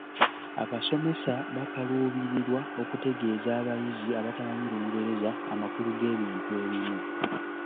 Abasomesa bakaluubirirwa okutegeeza abayizi abatamanyi Lungereza amakulu g’ebintu ebimu.